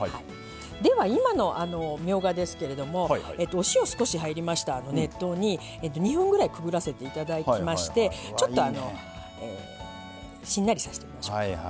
では今のみょうがですけれどもお塩少し入りました熱湯に２分ぐらいくぐらせていただきましてちょっとしんなりさせてみましょうか。